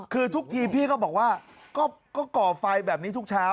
คือทุกทีพี่ก็บอกว่าก็ก่อไฟแบบนี้ทุกเช้า